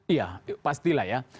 iya pastilah ya